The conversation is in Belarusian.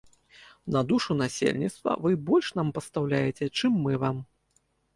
На душу насельніцтва вы больш нам пастаўляеце, чым мы вам.